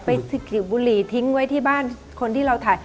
ไปเกี่ยวบุหรี่ทิ้งไว้ที่บ้านคนที่เราถ่าย